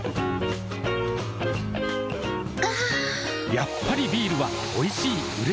やっぱりビールはおいしい、うれしい。